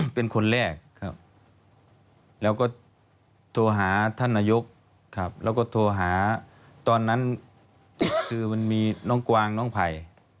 เป็นคนแรกครับแล้วก็โทรหาท่านนายกแล้วก็โทรหาตอนนั้นคือมันมีน้องกวางน้องไผ่